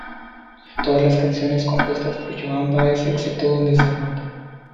Todas las canciones compuestas por Joan Baez excepto donde se anota.